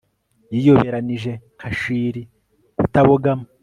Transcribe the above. Yiyoberanije nka chill kutabogama